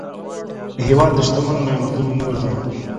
هېواد د شتو نعمتونو مور ده.